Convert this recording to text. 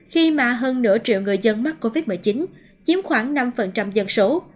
khi mà hơn nửa triệu người dân mắc covid một mươi chín chiếm khoảng năm dân số